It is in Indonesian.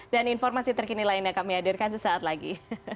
dan informasi terkini lainnya kami hadirkan sesaat lagi